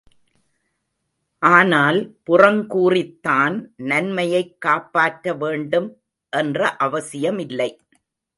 ஆனால் புறங்கூறித்தான் நன்மையைக் காப்பாற்ற வேண்டும் என்ற அவசியமில்லை.